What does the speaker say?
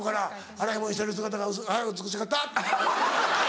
「洗い物してる姿がはい美しかった」。